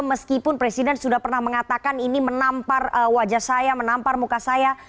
meskipun presiden sudah pernah mengatakan ini menampar wajah saya menampar muka saya